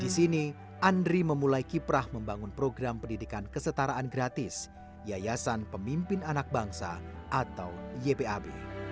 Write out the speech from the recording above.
di sini andri memulai kiprah membangun program pendidikan kesetaraan gratis yayasan pemimpin anak bangsa atau ypab